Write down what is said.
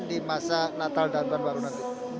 di masa natal dan tahun baru nanti